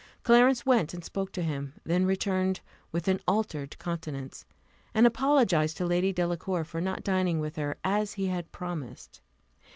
Clarence went and spoke to him, then returned with an altered countenance, and apologized to Lady Delacour for not dining with her, as he had promised.